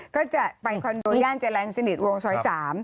ก็จะไปคอนโดย่านจรรย์สนิทวงซอย๓